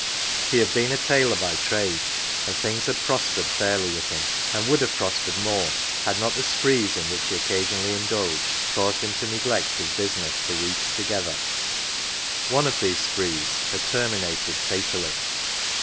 He had been a tailor by trade, and things had pros pered fairly with him, and would have prospered more, had not the " sprees "" in which he occasionally indulged caused him to neglect his business for weeks together. One of these sprees had terminated fatally.